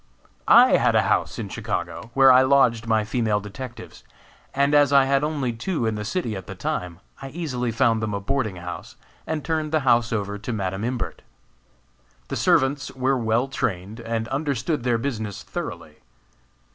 I had a house in Chicago, where I lodged my female detectives, and as I had only two in the city at the time, I easily found them a boarding house, and turned the house over to Madam Imbert. The servants were well trained, and understood their business thoroughly.